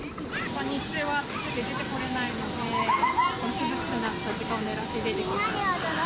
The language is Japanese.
日中は暑くて出てこられないので、涼しくなった時間をねらって出てきました。